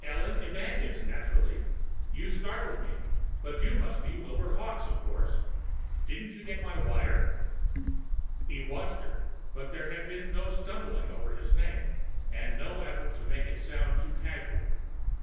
"Ellen Ibañez, naturally. You startled me! But you must be Wilbur Hawkes, of course. Didn't you get my wire?" He watched her, but there had been no stumbling over his name, and no effort to make it sound too casual.